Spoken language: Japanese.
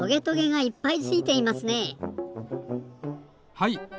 はい。